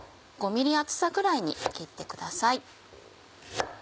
５ｍｍ厚さぐらいに切ってください。